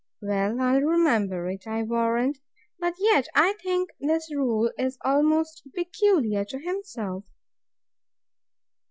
Well, I'll remember it, I warrant. But yet I think this rule is almost peculiar to himself.